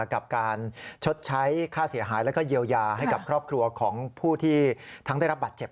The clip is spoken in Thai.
กับการชดใช้ค่าเสียหายแล้วก็เยียวยาให้กับครอบครัวของผู้ที่ทั้งได้รับบัตรเจ็บ